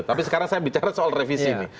tapi sekarang saya bicara soal revisi nih